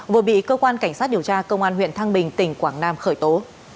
vừa bị cơ quan cảnh sát điều tra công an huyện thăng bình tỉnh quảng nam khởi tố